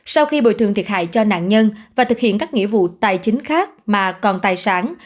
sau khi bồi thường thiệt hại cho nạn nhân và thực hiện các nghĩa vụ tài chính khác mà còn tài sản